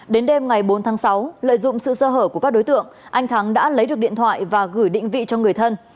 đến đêm ngày bốn tháng sáu lợi dụng sự sơ hở của các đối tượng anh thắng đã lấy được điện thoại và gửi định vị cho người thân